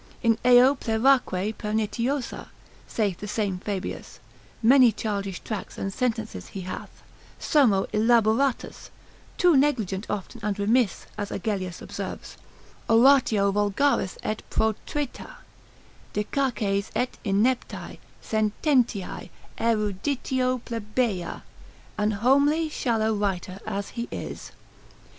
In eo pleraque pernitiosa, saith the same Fabius, many childish tracts and sentences he hath, sermo illaboratus, too negligent often and remiss, as Agellius observes, oratio vulgaris et protrita, dicaces et ineptae, sententiae, eruditio plebeia, an homely shallow writer as he is.